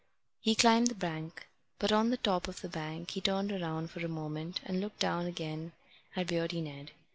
He climbed the bank. But on the top of the bank he turned round for a moment and looked down again at Beardy Ned.